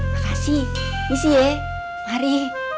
makasih misi ya mari